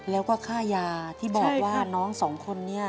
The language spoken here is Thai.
แล้วก็ค่ายาที่บอกว่าน้องสองคนนี้